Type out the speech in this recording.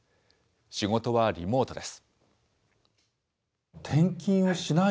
仕事はリモートです。